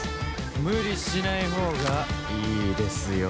無理しないほうがいいですよ。